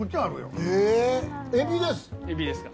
エビです！